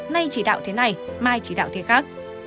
nay chỉ đạo thế này mai chỉ đạo thế khác